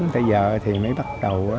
tới giờ thì mới bắt đầu